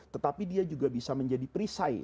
tetapi dia juga bisa menjadi perisai